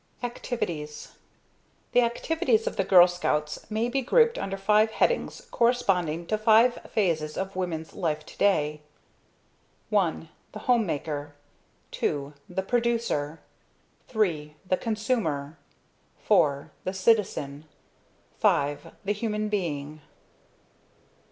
Activities The activities of the Girl Scouts may be grouped under five headings corresponding to five phases of women's life today: I. The Home maker. II. The Producer. III. The Consumer. IV. The Citizen. V. The Human Being.